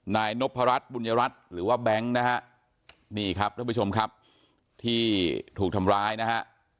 นายนพรัชบุญรัฐหรือว่าแบงค์นะฮะนี่ครับท่านผู้ชมครับที่ถูกทำร้ายนะฮะ